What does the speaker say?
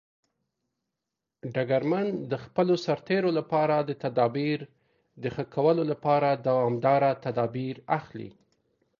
ډګرمن د خپلو سرتیرو لپاره د تدابیر د ښه کولو لپاره دوامداره تدابیر اخلي.